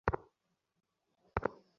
প্রথম বলেই চমকে দিলেন আল আমিন হোসেন।